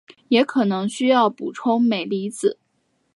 也可能需要补充镁离子。